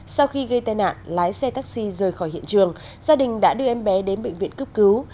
sau khi gây tai nạn lái xe taxi rời khỏi hiện trường gia đình đã đưa em bé đến bệnh viện cấp cứu